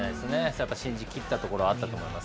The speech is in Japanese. やっぱり信じきったところ、あったと思います。